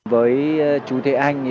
với chú thế anh